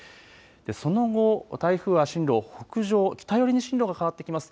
その後、台風は進路を北上、北寄りに進路が変わってきます。